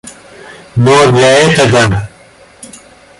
Но для этого...